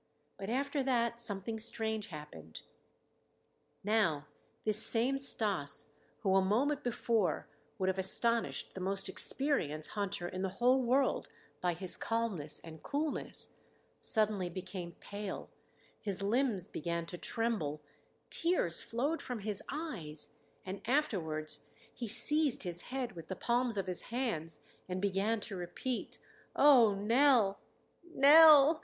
But after that something strange happened. Now this same Stas, who a moment before would have astonished the most experienced hunter in the whole world by his calmness and coolness, suddenly became pale; his limbs began to tremble, tears flowed from his eyes, and afterwards he seized his head with the palms of his hands and began to repeat: "Oh, Nell! Nell!